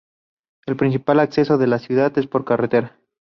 El principal acceso a la ciudad es por carretera.